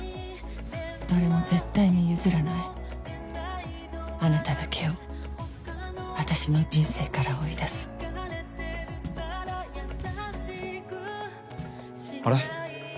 どれも絶対に譲らないあなただけを私の人生から追い出すあれ？